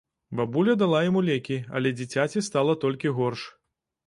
Бабуля дала яму лекі, але дзіцяці стала толькі горш.